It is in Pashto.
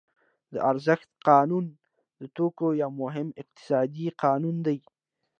د ارزښت قانون د توکو یو مهم اقتصادي قانون دی